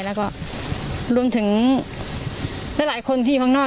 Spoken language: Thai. แล้วก็รวมถึงหลายคนที่ข้างนอก